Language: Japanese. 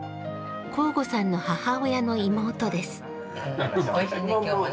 向後さんの母親の妹です。